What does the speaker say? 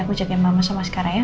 aku jagain mama sama sekarang ya